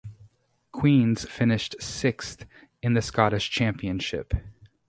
Queens finished sixth in the Scottish Championship.